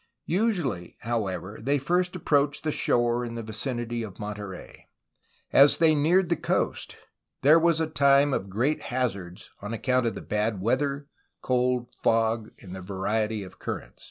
Usually, however, they first approached the shore in the vicinity of Monterey. As they neared the coast there was a time of great hazards on account of the bad weather, cold, fog, and the variety of currents.